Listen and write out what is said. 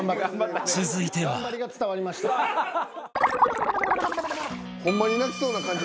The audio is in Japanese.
続いてはホンマに泣きそうな感じ。